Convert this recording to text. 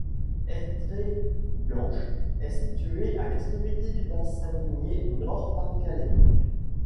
Estrée-Blanche est située à l'extrémité du bassin minier Nord - Pas-de-Calais.